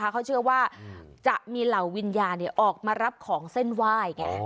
เขาเชื่อว่าจะมีเหล่าวิญญาณออกมารับของเส้นไหว้ไง